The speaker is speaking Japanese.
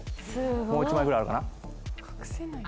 もう１枚ぐらいあるかな？